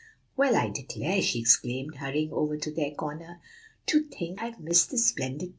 "Well, I declare," she exclaimed, hurrying over to their corner, "to think I've missed this splendid time!"